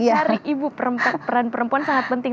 cari ibu perempuan peran perempuan sangat penting